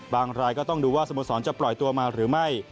รายก็ต้องดูว่าสโมสรจะปล่อยตัวมาหรือไม่